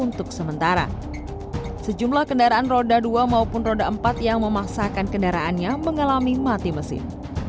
untuk sementara sejumlah kendaraan roda dua maupun roda empat yang memaksakan kendaraannya mengalami mati mesin